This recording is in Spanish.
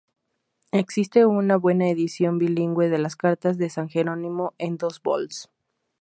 Existe una buena edición bilingüe de las "Cartas de San Jerónimo" en dos vols.